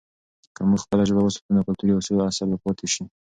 که موږ خپله ژبه وساتو، نو کلتوري اصل به پاته سي.